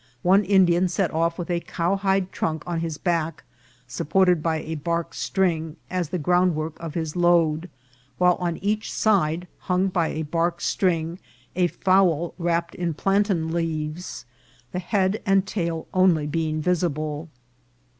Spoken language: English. One Indian set off with a cowhide trunk on his back, supported by a bark string, as the groundwork of his load, while on each side hung by a bark string a fowl wrapped in plantain leaves, the head and tail only being visible.